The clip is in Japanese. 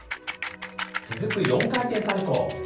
続く４回転サルコー。